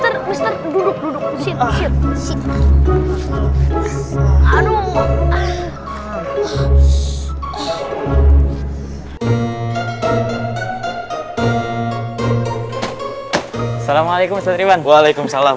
assalamualaikum mister triban waalaikumsalam